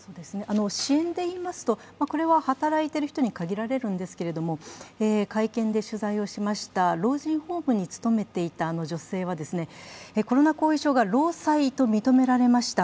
支援で言いますと、これは働いている人に限られるんですけれども、会見で取材しました老人ホームに務めていた女性は、コロナ後遺症が労災と認められました。